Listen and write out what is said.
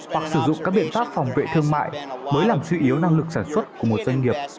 hoặc sử dụng các biện pháp phòng vệ thương mại mới làm suy yếu năng lực sản xuất của một doanh nghiệp